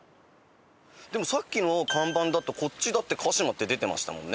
でもさっきの看板だとこっちだって「鹿嶋」って出てましたもんね。